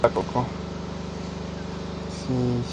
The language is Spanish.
Está ubicado en la ciudad de Gualaceo, provincia de Azuay.